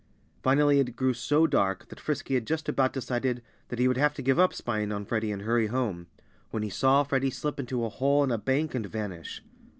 Finally it grew so dark that Frisky had just about decided that he would have to give up spying on Freddie and hurry home, when he saw Freddie slip into a hole in a bank and vanish.